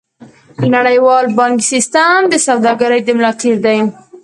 نړیوال بانکي سیستم د سوداګرۍ د ملا تیر دی.